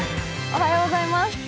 おはようございます。